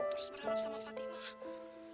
terus berharap sama fatimah